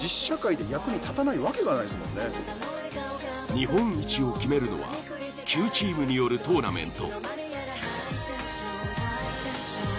日本一を決めるのは９チームによるトーナメント。